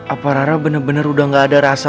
apa rara bener bener udah gak ada rasa